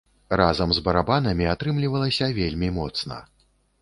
Разам з барабанамі атрымлівалася вельмі моцна.